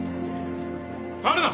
・触るな！